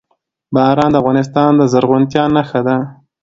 باران د افغانستان د زرغونتیا نښه ده.